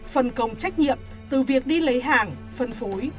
phần công trách nhiệm từ việc đi lấy hàng phân phối